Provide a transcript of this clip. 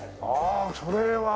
ああそれは。